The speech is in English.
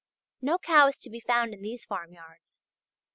No cow is to be found in these farmyards.